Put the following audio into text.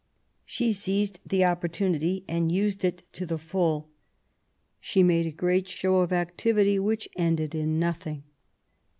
She seized the opportunity, and used it to the full. She made a great show of activity which ended in nothing.